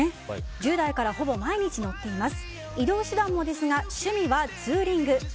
１０代からほぼ毎日乗っています。